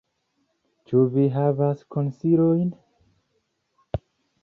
Ĉu vi havas konsilojn?